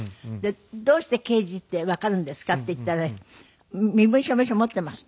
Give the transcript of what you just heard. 「どうして刑事ってわかるんですか？」って言ったら「身分証明書持っています」って。